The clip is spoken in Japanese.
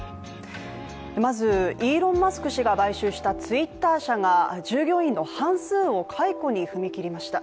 まず、イーロン・マスク氏が買収したツイッター社が従業員の半数を解雇に踏み切りました。